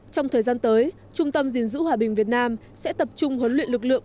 trong thời gian tới trung tâm gìn giữ hòa bình việt nam sẽ tập trung huấn luyện lực lượng